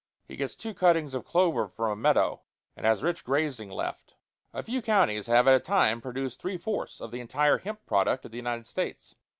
He gets two cuttings of clover from a meadow, and has rich grazing left. A few counties have at a time produced three fourths of the entire hemp product of the United States.